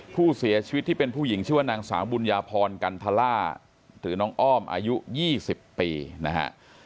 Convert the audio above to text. ผู้เสียชีวิตที่เป็นผู้หญิงชื่อว่านางสาวบุญญาพรกันทล่าหรือน้องอ้อมอายุ๒๐ปีนะฮะ